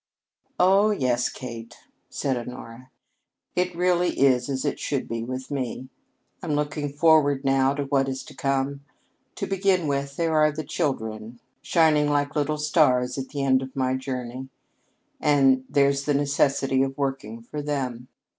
"Oh, yes, Kate," said Honora. "It really is as it should be with me. I'm looking forward, now, to what is to come. To begin with, there are the children shining like little stars at the end of my journey; and there's the necessity of working for them.